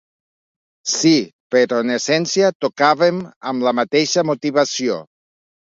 Sí, però en essència tocàvem amb la mateixa motivació.